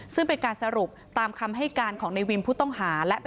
ซึ่งเป็นการสรุปตามคำให้การของในวิมผู้ต้องหา